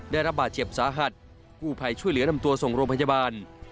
ได้รับบาดเจ็บสาหัสกู้ภัยช่วยเหลือนำตัวส่งโรงพยาบาล